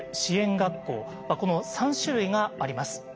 この３種類があります。